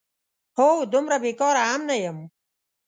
هو، دومره بېکاره هم نه یم؟!